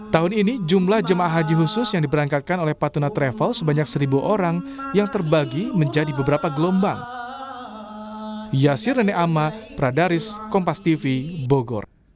tahun ini jumlah jemaah haji khusus yang diberangkatkan oleh patuna travel sebanyak seribu orang yang terbagi menjadi beberapa gelombang